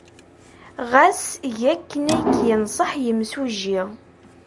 Ɣas eg akken ay k-yenṣeḥ yemsujji.